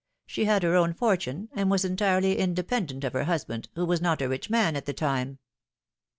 She had her own fortune, and was entirely independent of her husband, who was not a rich man at that time."